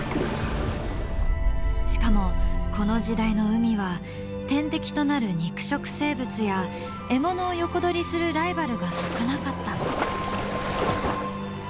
しかもこの時代の海は天敵となる肉食生物や獲物を横取りするライバルが少なかった。